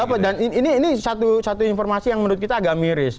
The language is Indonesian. dapat dan ini satu informasi yang menurut kita agak miris